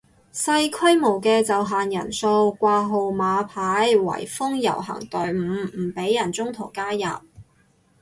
細規模嘅就限人數掛號碼牌圍封遊行隊伍唔俾人中途加入